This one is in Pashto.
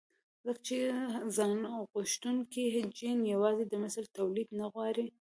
ځکه چې ځانغوښتونکی جېن يوازې د مثل توليد نه غواړي.